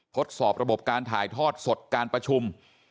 ทดสอบระบบการถ่ายทอดสดการประชุม